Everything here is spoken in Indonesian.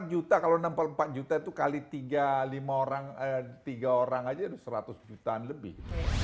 delapan juta kalau enam puluh empat juta itu kali tiga orang aja seratus jutaan lebih